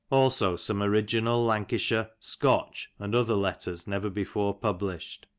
Also some original Lancashire, " Scotch, and other Letters never before published.